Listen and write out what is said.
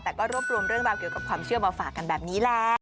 แต่ก็รวบรวมเรื่องราวเกี่ยวกับความเชื่อมาฝากกันแบบนี้แหละ